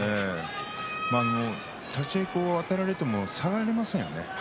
立ち合いあたられても下がりませんよね。